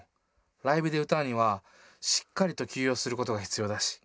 ライブで歌うにはしっかりと休養することが必要だし。